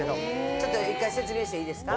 ちょっと一回説明していいですか？